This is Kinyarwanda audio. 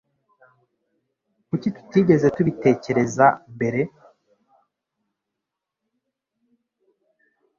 Kuki tutigeze tubitekereza mbere